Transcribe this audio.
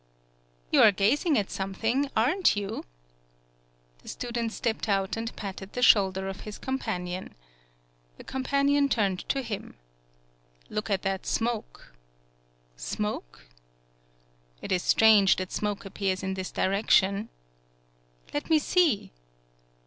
"You are gazing at something, aren't you?" The student stepped out and patted the shoulder of his companion. The companion turned to him. "Look at that smoke.'* "Smoke?" "It is strange that smoke appears in this direction." "Let me see